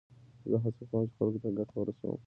زه هڅه کوم، چي خلکو ته ګټه ورسوم.